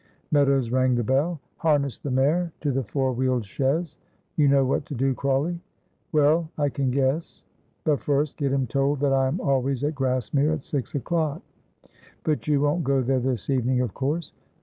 Meadows rang the bell. "Harness the mare to the four wheeled chaise. You know what to do, Crawley." "Well, I can guess." "But first get him told that I am always at Grassmere at six o'clock." "But you won't go there this evening, of course."